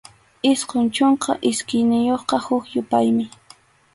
Isqun chunka isqunniyuqqa huk yupaymi.